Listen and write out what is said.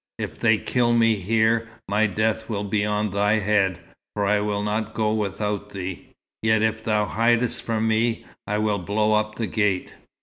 "If they kill me here, my death will be on thy head, for I will not go without thee. Yet if thou hidest from me, I will blow up the gate."